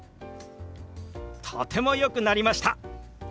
とてもよくなりました！